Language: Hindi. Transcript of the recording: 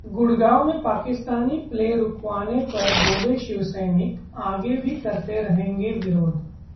गुड़गांव में पाकिस्तानी प्ले रुकवाने पर बोले शिवसैनिक- आगे भी करते रहेंगे विरोध